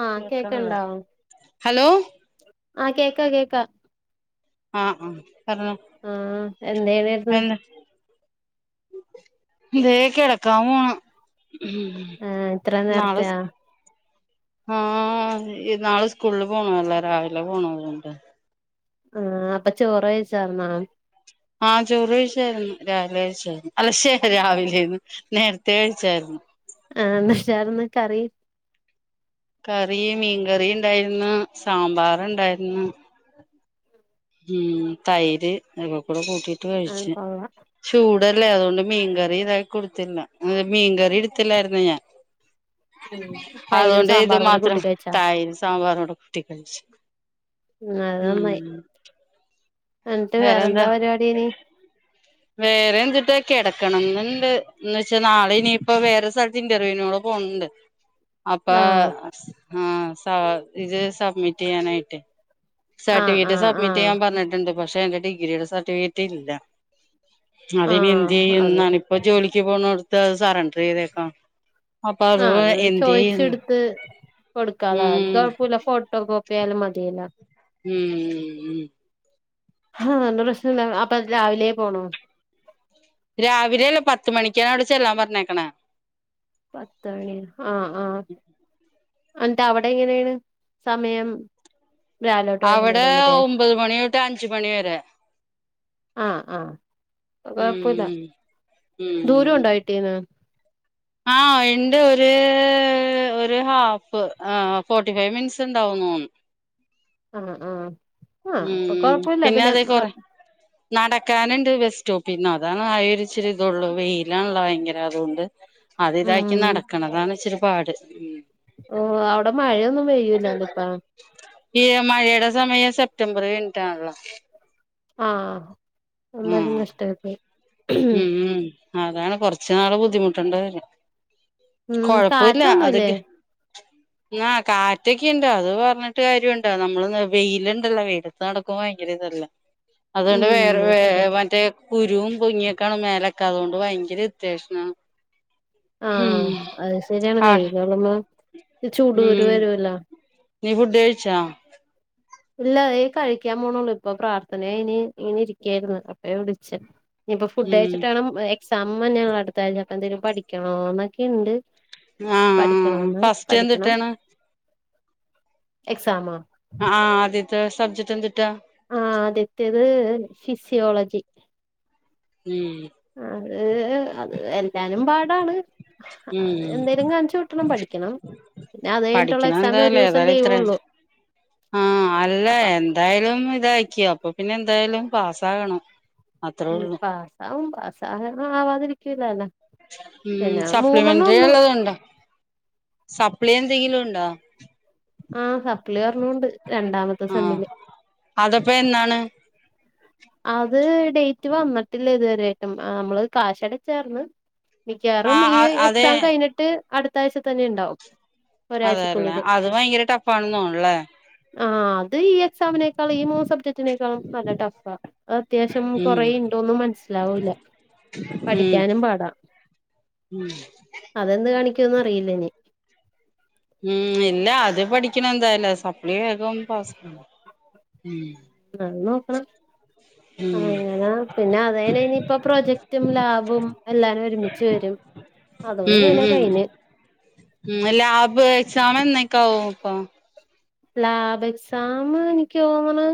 ആഹ് കേക്കാണില്ലേ കേക്കണ്ടോ ഹലോ ആഹ് കേക്കാ കേക്കാ ആഹ് ആഹ് പറഞ്ഞോ ആഹ് എന്തേണായിരുന്നു എനാ ദേ കെടക്കാംപോണ് ഉം ആഹ് ഇത്ര നേരത്തെയാ നാളസ്ക്ക്‌ ആഹ് നാളെ സ്കൂളില് പോണോല്ലേ രാവിലെ പോണോര്ണ്ട് ആഹ് അപ്പ ചോറ് കഴിച്ചാര്ന്നാ ആ ചോറ് കഴിച്ചാരുന്നു രാവിലെ കഴിച്ചാരുന്നു അല്ല ശെ രാവിലെന്ന് നേരത്തെ കഴിച്ചാരുന്നു ആഹ് എന്നചൊർന്ന് കറി കറി മീൻകറി ഇണ്ടായിരുന്നു സാമ്പാറ് ഒണ്ടായിരുന്നു ഉം തൈര് അക്കെ കൂടെ കൂട്ടിട്ട് ആഹ് കഴിച്ചെ കൊള്ളാം ചൂട് ടല്ലേ അതുകൊണ്ട് മീൻകറി ഇതാക്കി കൊടുത്തില്ലഅത് മീൻകറി എടുത്തില്ലാരുന്നു ഞാൻ. ഉം തൈരും അതുകൊണ്ട് ഇത് സാമ്പാറും കൂടി മാത്രം കൂട്ടി കഴിച്ചാ തയ്ര് സാമ്പാറുടെ കൂട്ടി കഴിച്ചു. അത് ഉം നന്നായി എന്നിട്ട് വേറെന്താ പരിപാടി ഇനി? വേറെ എന്തിട്ടാ കിടക്കണംന്നണ്ട് എന്ന് വെച്ചാ നാളെ ഇനിയിപ്പോ വേറെ സ്ഥലത്ത് ഇന്റർവ്യൂവിനോള് പൊന്ണ്ട് അപ്പൊ ആഹ് ആഹ സ ഇത് സബ്മിറ്റ് ചെയ്യാനായിട്ടേ ആഹ് സർട്ടിഫിക്കറ്റ് ആഹ് സബ്മിറ്റ് ചെയ്യാൻ ആഹ് പറഞ്ഞിട്ടുണ്ട് പക്ഷെ എന്റെ ഡിഗ്രിയുടെ സർട്ടിഫിക്കറ്റ് ഇല്ല. അതനി എന്ത് ആഹ് ചെയ്യും അത് എന്നാണ് ഇപ്പോ ജോലിക്ക് പോണോടുത്ത് സെറണ്ടർ ചെയ്തേക്കാം, അപ്പൊ ആ അത് എന്ത് ചെയ്യുന്ന് ചോയിച്ചെടുത്ത് കൊടുക്കാം അത് ഉം കൊഴപ്പമില്ല ഫോട്ടോ കോപ്പി യാലും മതിയല്ലോ ഉം ഉ ഉം ആഹ് ഇന്ന് പ്രശ്നല്ല അപ്പൊ രാവിലെ പോണോ രാവിലെയല്ല പത്ത് മണിക്കാണ് അവിടെ ചെല്ലാം പറഞ്ഞേക്കണേ പത്ത് മണി ആഹ് ആഹ് എന്ത അവിടെ എങ്ങനെയാണ് സമയം? രാവിലോട്ട് അവിടെ വൈകുന്നേരം വരെ ഒമ്പത് മണിട്ട് തൊട്ട് അഞ്ച് മണി വരെ ആഹ് ആഹ് കൊഴപ്പില്ല ഉം ദുരോണ്ടോ വീട്ടീന്ന് ആഹ് ഇണ്ട് ഒരു ഒര് ഒരു ഹാഫ് ഫോർട്ടി ഫൈവ് മിനിറ്റ്സ് ഉണ്ടാവുന്ന് തോന്നുന്നു ആഹ് ആഹ് ആഹ് അപ്പൊ ഉം കൊഴപ്പല്ല പിന്നെ അതെ കൊറ നടക്കാനുണ്ട് ബസ്സ്റ്റോപ്പിന് അതാണ് ആകെ ഒരു ഇച്ചിരി ഇതൊള്ളൂ വെയിലാണല്ല ഭയങ്കര- അതുകൊണ്ട് അത് ഇതാക്കി ഉം നടക്കണതാണ് ഇച്ചിരി പാട് ഓഹ് അവിടെ മഴയൊന്നും പെയ്യൂലല്ല ഇപ്പം ഈ മഴയുടെ സമയം സെപ്റ്റംബറ് കഴിഞ്ഞിട്ടാണല്ലോ ആഹ് ഉം എന്താലും കഷ്ട്ടായിപോയി ഉം ഉം അതാണ് കൊറച്ചു നാള് ബുദ്ധിമുട്ടണ്ടിവരും ഉം കൊഴപ്പില്ല കാറ്റൊന്നുല്ലേ അതൊക്കെ ആ കാറ്റക്കെ ഉണ്ട് അത് പറഞ്ഞിട്ട് കാര്യംണ്ടോ നമ്മള് വെയിലുണ്ടല്ലോ വെയിലത്തു നടക്കുമ്പോ ഭയങ്കര ഇത് അതുകൊണ്ട് ഉം വേറെ ശരിയാ മറ്റേ കുരുവും പൊങ്ങിയൊക്കാണ് മേലൊക്കെ അതുകൊണ്ട് ഭയങ്കര ഉത്യാവേഷ. ആഹ അത് ശരിയാണ് വെയിലള്ളമ്പോ ചൂടൂരു ഉം വരുല്ലോ, നീ ഫുഡ് കഴിച്ചാ? ഇല്ല അ കഴിക്കാൻ പോണള്ളു ഇപ്പൊ പ്രാർത്ഥനകയിന്ന് ഇനി ഇരിക്കായിരുന്നു അപ്പ വിളിച്ച ഇനിയിപ്പൊ ഫുഡ് ഉം കഴച്ചിട്ടാണ് എക്സാം തന്നെയള്ള അടുത്ത ആഴ്ചപ്പ എന്തെങ്കിലും പഠിക്കണോ എന്നൊക്കെുണ്ട്, ആ ആ പഠിക്കണംന്ന് ഫസ്റ്റ് പഠിക്കണം എന്തിട്ടാണ് എക്സാമ്മാ ആ ആദ്യത്തെ സബ്ജക്ട് എന്തിട്ടാ? ആ അദ്യത്തയത് ഫിസിയോളജി ഉം ഏ എല്ലാനും പാടാണ് ഉം എന്തേലും കാണിച്ച കുട്ടണം പഠിക്കണം പിന്നെ അത് കഴിഞ്ഞട്ടുള്ള എക്സാമിന് ഒരു ദിവസം ലീവള്ളൂ ആഹ അല്ല എന്തായാലും ഇതായി അപ്പൊ പിന്നെ എന്തായാലും പാസ് ആകണം. ഉ പാസാവം പാസാഹ ആവാതിരിക്കലല്ല ഉ സപ്ലിമെന്ററി ഉള്ളതുണ്ടോ? സപ്പ്ളി എന്തെങ്കിലും ഉണ്ടോ? ആഹ സപ്പ്ലി ഒരണമുണ്ട് രണ്ടാമത്തെ ആഹ് സമ്മില്. അതപ്പോ എന്നാണ് അത് ഡേറ്റ് വന്നിട്ടില്ല ഇതുവരായിട്ടും നമ്മള് കാശടച്ചർന്ന്, മിക്കവാറും ആഹ് ഈ ആഹ് അതെ എക്സാം കഴിഞ്ഞിട്ട് അടുത്ത ആഴ്ച തന്നെ ഉണ്ടാവും. അതല്ലേ അത് ഭയങ്കര ടഫ് ആണന്ന് തോന്നല്ലേ? ആ അത് ഈ എക്സാമിനേക്കാളും ഈ മൂന്ന് സബ്ജക്റ്റിനേക്കാളും നല്ല ടഫയ. അത് അത്യാവശ്യം ഉം കൊറെ ഉണ്ടോന്നും മനസ്സിലാവില്ല. ഉം പഠിക്കാനും പാടാ. ഉം പഠിക്കേന്നും അറിയില്ലഇനി. [unintelligible] പസ് എന്ന നോക്കണം. ഉം അങ്ങനാ പിന്നെ അതായിനി ഇപ്പോം പ്രൊജക്ടും ലാഭും എല്ലാരും ഒരുമിച്ച് വരും. അതോടി ഉം ഉം കഴിഞ്ഞകഴിഞ്ഞ്. ഉം ലാബ് എക്സാം എന്നക്കാവും അപ്പൊ? ലാബ് എക്സാം എനിക്ക് തോന്നിണ്.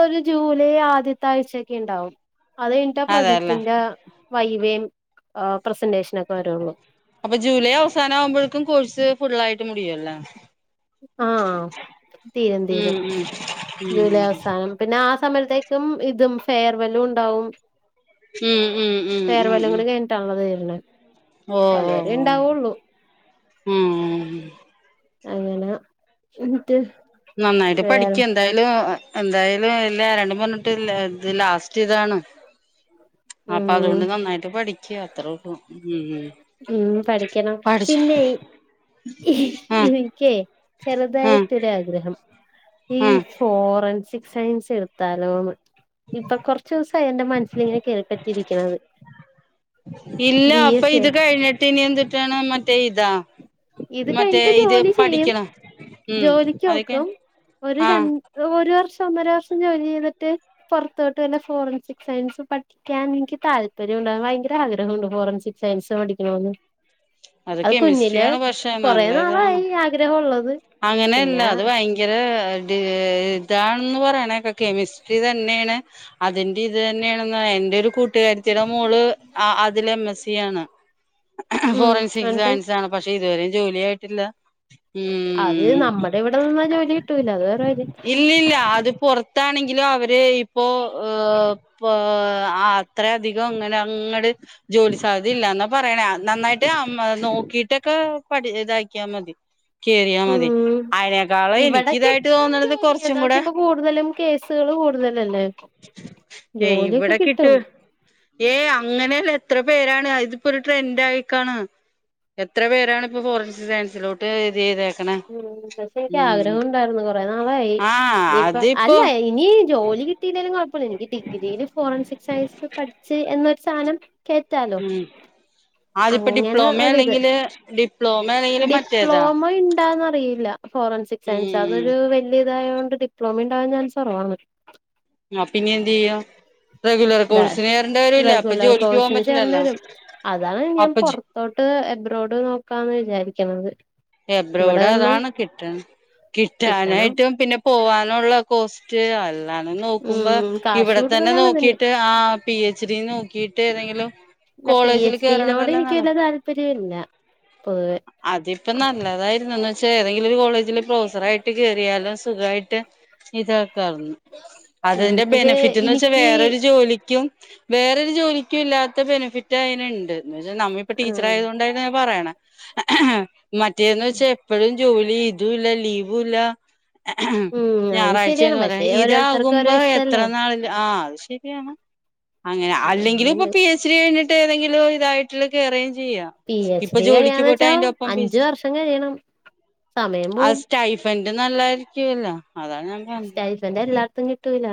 ഒരു ജൂലൈ ആദ്യത്ത ആഴ്ചക്കെ ഉണ്ടാവും. അത് കഴിഞ്ഞിട്ട് അതെല്ലേ പ്രൊജക്ടിന്റെ വൈവയുംആ പ്രസന്റേഷന്ഒക്കെ. അപ്പൊ ജൂലൈ അവസാനം ആവുമ്പോഴക്കും കോഴ്സ് ഫുളായിട്ട് മുടിയല്ലേ? ആഹ തീരും തീരും ഉം ജൂലൈ ഉം അവസാനം പിന്നെ ആ സമയത്തേക്കും ഇതും ഫെയർവെല്ലും ഉണ്ടാവും. ഉം ഉം ഉം ഫെയർവല്ലും കൂടി കഴിഞ്ഞിണ്ടാണ് അത് വര്ന്ന്. ഓ ഓ ഓ ഉം ഉം. അങ്ങനെ എന്നിട്ട്. നന്നായിട്ട് പഠിക്ക വേറെ എന്തായാലും. എന്തായാലും ഇല്ല രണ്ട് പറഞ്ഞിട്ട് ഇത് ലാ ലാസ്റ്റ് ഇതാണ്. അപ്പൊ ഉം അതുകൊണ്ട് നന്നായിട്ട് പഠിക്ക അത്ര ഉള്ളു ഉം ഉം ഉം പഠിക്കണം പഠിച്ച് പിന്നെഈ ആഹ് ആഹ് ഇവക്കെചെറുതായിട്ടൊരു ആഗ്രഹം. ഈ ആഹ് ഫോറൻസിക് സയൻസ് എടുത്താലോന്ന്? ഇപ്പൊ കൊറച്ച് ദിവസം ആയി എന്റെ മനസ്സിൽഇങ്ങനെകേൾപ്പറ്റിയിരിക്കണത്. ഇല്ല ഇപ്പൊ ഇത് കഴിഞ്ഞിട്ട് ഇനി എന്തിട്ടാണ് മറ്റേ ഇതാ. ഇത് മറ്റേ കഴിഞ്ഞിട്ട് ഇത് ജോലി ചെയ്യും. പഠിക്കണം ഉം ജോലിക്ക് അതൊക്കെ നോക്കും ഒരു ആഹ് രണ്ട് ഒരു വർഷം. ഒന്നര വർഷം ജോലി ചെയ്തിട്ട് പുറത്തോട്ട് വല്ല ഫോറൻസിക് സയൻസ് പഠിക്കാൻ എനിക്ക് താല്പര്യം. ണ്ട് ഭയങ്കര ആഗ്രഹമുണ്ട് ഫോറൻസിക് സയൻസ് പഠിക്കണമന്ന്. അത് കെമിസ്ട്രിയാണ് പക്ഷെ കൊറേ നല്ല ഇതാണ്. നാളായി ആഗ്രഹം ഉള്ളത് അങ്ങനെല്ല പിന്നെ അത് ഭയങ്കര ത് ഇതാണെന്ന് പറയണേക്കാ കെമിസ്ട്രി തന്നെയാണ് അതിന്റെ ഇത് തന്നെയാണന്നാഎന്റെ ഒരു കൂട്ടുകാരിതി ടെ മോൾ അ അതിലെ എം സി യാണ് ഉം ഫോറൻസിക് എന്നിട്ട് സയൻസാണ് പക്ഷേ ഇതുവരെ ജോലിആയിട്ടില്ല അത് നമ്മുടെ ഇവിടെ നിന്നാ ജോലി കിട്ടൂല അത് വേറെ കാര്യം. ത്താണെങ്കിലും അവര് ഇപ്പോ പ്പോ അത്രയധികം ഇങ്ങനെ അങ്ങട് ജോലി സാധ്യത ഇല്ല ന്നാ പറയണേ നന്നായിട്ട് അമ്മ നോക്കിട്ടൊക്കെ പഠിച്ച് ഇതാക്കിയാമതി. കേറിയാ മതി ഉം അയ്നക്കാള് എനിക്ക് ഇവിടെ കിട്ടും ഇതായിട്ട് തോന്നണത് ജോലി കൊറച്ചും എന്താ വെച്ചാ കൂടെ. ഇപ്പൊ കൂടുതലും കേസുകൾ കൂടുതലല്ലേ. ഏയ് ജോലിയൊക്കെ ഇവിടെ കിട്ടും കിട്ടോ ഏയ് അങ്ങനെല്ല. എത്ര പേരാണ് അതിപ്പോഒരു ട്രെൻഡ് ആയിക്കാണ്. എത്ര പേരാണ് ഇപ്പൊ ഫോറൻസിസ് സയൻസിലോട്ട്. ഇത് ചെയ്തേക്കണേ ഉം പക്ഷെ എനിക്ക് ഉം ആഗ്രഹം ഉണ്ടായിരുന്നു കൊറെ നാളായി. ആഹ് ഇപ്പം അല്ല അതിപ്പോ ഇനി ജോലി കിട്ടിയില്ലെല്ലും കോയ്പ്പം. ല്ല എനിക്ക് ഡിഗ്രിയില് ഫോറൻസിക് സയൻസ് പഠിച്ച് എന്നൊരു സാധനം. കേറ്റാലോ ഉം ആദ്യപ്പോ അങ്ങനെ ഡിപ്ലോമ ഒര്ത്. അല്ലെങ്കില് ഡിപ്ലോമ അല്ലെങ്കില് മറ്റേതാ ഡിപ്ലോമ ഇണ്ടാന്ന് അറിയില്ല ഫോറെൻസിക് സയൻസാന്നൊരു ഉം വലിയതായോണ്ട് ഡിപ്ലോമ ഇണ്ടാവാൻ ചാൻസ് കൊറവാണ് അപ്പ ഇനി എന്തേയ്യും റെഗുലർ കോഴ്സിന് ചേർ എല്ല അപ്പൊ റെഗുലർ ജോലിക്ക് പോവാൻ കോഴ്സിന് ചേരേണ്ടി പറ്റുന്നല്ലോ വരും അതാണ് ഞാൻ പുറത്തോട്ട് എബ്രോഡ് നോക്കാന്ന് വിചാരിക്കണത് ഇവിടെ എബ്രോടെ നിന്ന് അതാണ് കിട്ടൻ കിട്ടണം കിട്ടാനായിട്ടും പിന്നെ പോവാൻ ള്ള കോസ്റ്റ് അല്ലതേ നോക്കുമ്പോ ഉം കാശ് ഇവിടെ തന്നെ കൂടുതലാണ് ഇതിന് നോക്കിട്ട് ആ പി എച്ച് ഇതീ നോക്കിയിട്ട് ഏതെങ്കിലും ഇല്ല പി കോളേജിൽ എച്ച് ഡീനോട് കേറണതല്ലേ എനിക്ക് വല്ല നല്ലത് താല്പര്യ ഇല്ല പോതുവ ഇപ്പൊ നല്ലതായിരുന്നുന്ന് വെച്ചാ ഏതെങ്കിലും ഒരു കോളേജില് പ്രൊഫസറ ആയിട്ട് കയറിയാലും സുഖമായിട്ട് ഇതൊക്കെ ഉം, അതിന്റെ പക്ഷെ ബെനിഫിറ്റ്ന്ന് വെച്ചാ എനിക്ക് വേറൊരു ജോലിക്കും വേറൊരു ജോലിക്കും ഇല്ലാത്ത ബെനിഫിറ്റ് അതിനുണ്ട് എന്ന് വെച്ചാൽ നമ്മിപ്പൊ ടീച്ചർ ആഹ് ആയതു കൊണ്ടായി ഞാൻ പറയണ മറ്റേന്ന് വെച്ചാ എപ്പഴും ജോലി ഇതുംല്ല ലീവല്ല ഉം അത് ശരിയാണ് ഞായറാഴ്ചന്ന് പറയാ പക്ഷെ ഓരോരുത്തർക്ക് ഓരോ ഇതാകുമ്പോ എത്ര ഇഷ്ടല്ലേ നാളില് ആ ശരിയാണ് അങ്ങനെ അല്ലെങ്കിലും ഇപ്പൊ അങ്ങനെണ്ട് പി എച്ച് ഡി കഴിഞ്ഞിട്ട് ഏതെങ്കിലും ഇതായിട്ടുള്ള കേറി ചെയ്യ ഇപ്പൊ ജോലിക്ക് പോട്ട് അതിന്റെ ഒപ്പം ഒരു വർഷം കഴിയണം സമയം പോവും പെന്റ് നല്ലായിരിക്കുവല്ല സ്റ്റഫെന്റ് എല്ലാർക്കും കിട്ടൂല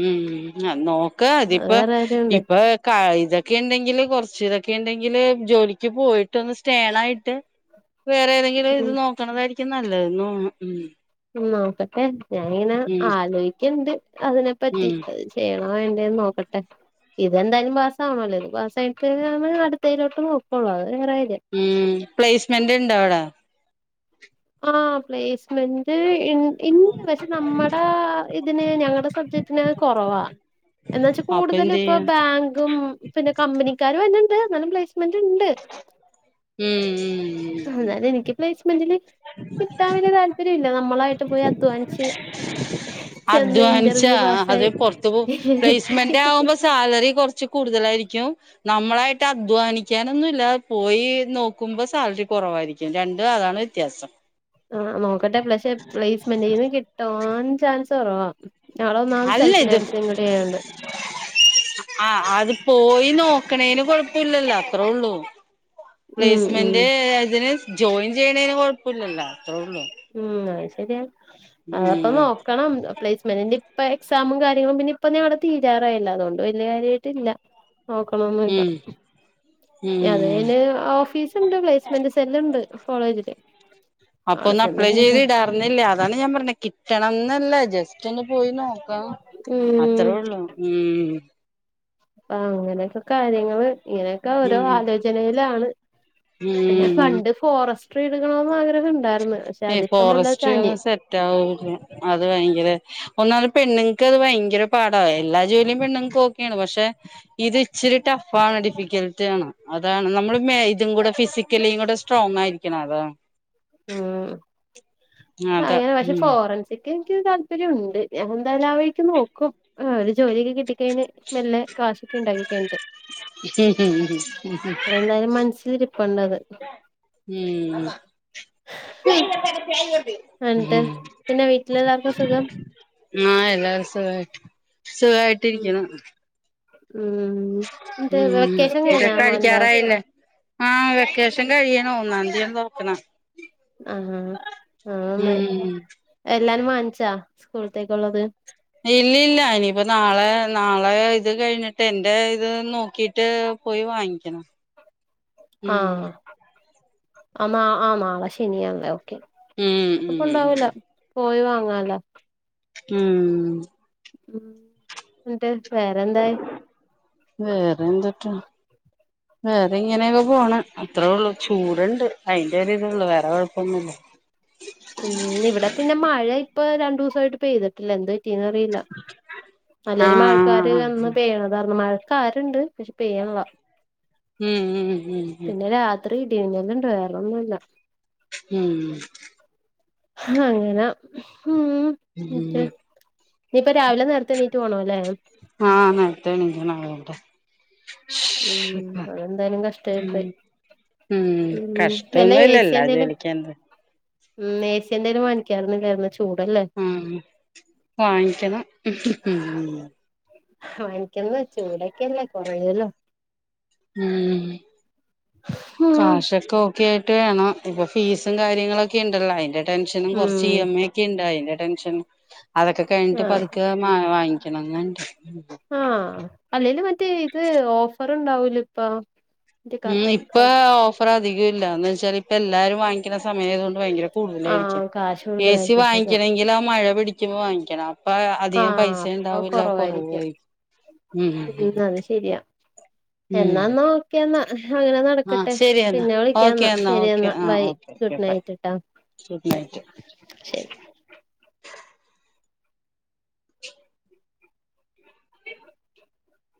ഉം നോക്ക് അത് അതിപ്പ വേറെ കാര്യണ്ട് ഇപ്പൊ ഇതൊക്കെ ഉണ്ടെങ്കില് കൊറച്ച് പക്ഷെ ഇതൊക്കെ ഉണ്ടെങ്കില് ജോലിക്ക് പോയിട്ട് ഒന്ന് സ്റ്റേണായിട്ട് വേറെ ഏതെങ്കിലും ഉം ഇത് നോക്കണതായിരിക്കും നല്ലതന്ന ഉ നോക്കട്ടെ ഞാാനിങ്ങനെ ആലോചിക്കണ്ട് അതിനെപ്പറ്റി ഉം അത് ചെയ്യണം ആ എങ്ങനെണ്ടേന്ന് നോക്കട്ടെ ഇതെന്തായാലും പാസവണല്ലോ ഇത് പാസയിട്ട നമ്മ അടുത്തയിലോട്ട് നോക്കള്ളൂ അത് വേറെ കാര്യം ഉം പ്ലേസ്മെന്റ് ഇണ്ടോ അവിടേ? ആഹ് പ്ലേസ്മെന്റ് ഇണ്ട് പക്ഷെ നമ്മടെ ഇതിന് ഞങ്ങളടെ സബ്ജക്റ്റിന കൊറവാ എന്ന വെച്ച അപ്പൊ കൂടുതലും എന്ത് ഇപ്പൊ ചെയ്യും ബാങ്കും പിന്നെ കമ്പനിക്കാരും എന്നെുണ്ട് എന്നാലും പ്ലേ [unintelligible] ഉം ഉം എന്നാല് എനിക്ക് പ്ലേസ്മെന്റില് കിട്ടാൻ വലിയ താല്പര്യം നമ്മളായിട്ട് പോയി അദ്വാനിച്ച് അധ്വാനിച്ചാ അത് പുറത്ത് പോ പ്ലേസ്മെന്റ് ആകുമ്പോ സാലറി കൊറച്ച് കൂടുതലായിരിക്കും നമ്മളായിട്ട് അധ്വാനിക്കാനൊന്നുംല്ല പോയി നോക്കുമ്പോ സാലറി കുറവ അരിക്കും രണ്ടും അതാണ് വ്യത്യാസം ആഹ് നോക്കട്ടെ പ്ലക്ഷെ പ്ലേസ്മെൻ്റീന്ന് കിട്ടാൻ ചാൻസ് കുറവാ. ഞങ്ങളൊന്നാമത് അല്ല ഇത് സെൽഫിനാൻസിംങ്ങൂടി ചെയ്യണ്ട്. ആ അത് പോയി നോക്കണേന് കൊഴപ്പില്ലല്ലോ അത്ര ഉള്ളൂ. ഉം ഉം പ്ലേസ്മെന്റ് അതിന് ജോയിൻ ചെയ്യണേന് കൊഴപ്പുല്ലല്ലോ അത്രേ ഉള്ളൂ ഉം അഹ് ശരിയാണ് ഉം അഹ്പ്പം നോക്കണം പ്ലേസ്മെന്റിന്റെ ഇപ്പെ എക്സാമും കാര്യങ്ങളും പിന്നെ ഇപ്പൊ ഞങ്ങടെ തീരാറായല്ലോ അതോണ്ട് വലിയ കാര്യമായിട്ട് ഇല്ല നോക്കണൊന്നുല്ല ഉം അതെ ഉം അന് ഓഫീസ്ണ്ട് പ്ലേസ്മെന്റ് സെല്ലുണ്ട് കോളേജില് അപ്പൊ അവിടെ ഒന്ന് ചെന്ന് അപ്ലൈ ചെയ്ത് സംസാരി ഇടാർന്നില്ലേ അതാണ് ഞാൻ പറഞ്ഞ കിട്ടണംന്നല്ലേ ജസ്റ്റ് ഒന്ന് പോയിനോ ലോ ഉം അത്രൊള്ളൂ ഉം ആഹ് അങ്ങനെയൊക്കെ കാര്യങ്ങള് ഇങ്ങനെയൊക്കെ ഓരോ ഉം ആലോചനയിലാണ്. പിന്നെ ഉം പണ്ട് ഫോറസ്റ്റ്രി എടുക്കണോന്ന് ആഗ്രഹുണ്ടായി ഏ ഫോറസ്റ്റ് ഒന്നും സെറ്റ് [unintelligible] അത് ഭയങ്കര ഒന്നാമത് പെണ്ണുങ്ങക്ക് അത് ഭയങ്കര പാടാ എല്ലാ ജോലിയും പെണ്ണുങ്ങക്ക് ഓക്കെയാണ് പക്ഷെ ഇത് ഇച്ചിരി ടഫാ ഡിഫിക്കൽറ്റാണ് അതാണ് നമ്മള് മേ ഇതും കൂടെ ഫിസിക്കലിയും കൂടെ സ്ട്രോങ് ആയിരിക്കണം അതാണ് ഉ. അതാ അങ്ങനെ പക്ഷെ ഉം ഫോറൻസിക് എനിക്ക് താല്പര്യ ഉണ്ട്. ഞാൻഎന്തായാലും ആവഴിക്ക് നോക്കും, ഒര്ജോലിയൊക്കെ കിട്ടി കഴിഞ്ഞാ മെല്ലെ കാശെക്കെ ഇണ്ടാക്കികഴിഞ്ഞിട്ട് അതന്തായാലും മനസിലിരിപ്പുണ്ട് അത് ഉം എന്നിട്ട് ഉം പിന്നെ വീട്ടിലെല്ലാർക്കും സുഖം ആ എല്ലാരും. ഉം സുഖാസുഖായിട്ടിരിക്ക്ണ്. ഉം എന്നിട്ട് മ് വെക്കേഷൻ കഴിഞ്ഞാ [unintelligible] മോന്റെ കഴിക്കാറായില്ലേ ആ വെക്കേഷൻ കഴിയിണു ഒ ന്നാത്തിയാണ് തൊറക്ക് ണേ ആആ നന്നായി, ഉം എല്ലാ നും ച്ചാ. സ്കൂളത്തേക്ക്ള്ളത്. ഇല്ല ഇല്ല ഇനിയിപ്പ നാളെ നാളെ ഇത് കഴിഞ്ഞിട്ട് എന്റെ, ഇത് നോക്കിട്ട്. പോയി വാങ്ങിക്കണം. [inaudible] ഉം ആഹ് ആ. നാ, നാളെ ശനിയാണല്ലേ ഓക്കെ ഉം അപ്പൊ ഉം ഉം ഉണ്ടാവില്ല പോയിവാ. ങ്ങാലേ ഉം ഉ, എന്ത് വേറെ എന്തട്ടാ? [inaudible] വേറെ ഇങ്ങനെയൊക്കെ പോണ് അത്രേ ള്ളു. ചൂടുണ്ട് അയിന്റെ ഒരിതള്ളൂ വേറെ കുഴപ്പൊന്നുല്ല. ഉം ഇവിടെ പിന്നെ മഴ ഇപ്പൊ രണ്ടു സായിട്ട് പെയ്തിട്ട്ല്ല, എന്ത് പറ്റിയത് അറീലാ അല്ലെൽ മഴക്കാര് ആഹ് അന് പെയ്യണതാർന്നു മഴ കാരുണ്ട് പക്ഷെ പെയ്യ്ള്ള. ഉം, ഉം, ഉം ഒര് ഇടിമിന്നല്ണ്ട്‌ വേറൊന്നുംല്ല. ഉം അങ്ങനാ ഇനിയിപ്പ രാവിലെ നേരത്തെ എണീറ്റ് പോണം അല്ലേ ആ നേരത്തേ [unintelligible] ആടെ ഉം അതെന്തായാലും ഉം കഷ്ടയിപോയി ഉം കഷ്ടൊന്നുംല്ലല്ലാ എന്തേലും ജോലിക്കാ ഉം [inaudible] ക്കാറുന്നില്ലായ [inaudible] ആഹ. വാങ്ങിക്കണം വാങ്ങിക്കാവേച്ചു ചൂടൊക്കെല്ലേ കുറയല്ലോ ഉം. ഉം കാഷക്കെ കേട്ട്വേണംഇപ്പൊഫീസുംകാര്യങ്ങളൊക്കെ ഉണ്ടല്ലോ അതിന്റെ ടെൻഷനും ഉം കുറച്ച് ഇ എം ഒക്കെ ഉണ്ട് അതി്റെ ടെൻഷ. അതൊക്കെ കഴിഞ്ഞട്ട് ആഹ് പതുക്കെ വാങ്ങിക്കണംണ്ട്. ആഹ. അല്ലെല് മറ്റേ ഇത് ഓഫർ ഉണ്ടാവൂല ഇപ്പ. ഉം ഇപ്പ ഓഫർ അധികം ഇല്ല എന്ന്ച്ചാൽ, ഇപ്പ എല്ലാരും വാങ്ങിക്കണ സമയണ്ട്. ഭയങ്കര കൂടുതലായിരിക്കും. ആഹ് കാശ് എ സി കൂടുതലായിരിക്കും ശരിയാ വാിക്കണമെങ്കിൽ ആ മഴ പിടിക്കുമ്പോ, വാങ്ങിക്കണ. അപ്പ. അതികം ആഹ് പൈസ അപ്പൊ ഉണ്ടാവില്ല കുറവായ കൊറവായിരിക്കും ഉ എന്നാന് നോക്കിയന്നാ. ആഹ ശരി. എന്നാ ഓക്കെ എന്നാ ഓക്കെ ശരിയെന്നാ ആഹ ബൈ ഓക്കെ ഓെ ഗുഡ് ബൈ. നൈറ്റ് ട്ടാ സൂപ്പ് നയിട്ട്. ശരി [inaudible]